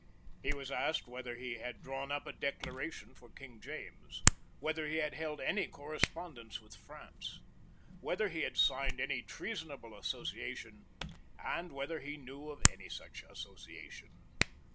He was asked whether he had drawn up a Declaration for King James, whether he had held any correspondence with France, whether he had signed any treasonable association, and whether he knew of any such association.